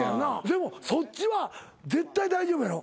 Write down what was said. でもそっちは絶対大丈夫やろ？